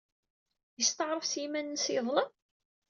Yesteɛṛef s yiman-nnes yeḍlem?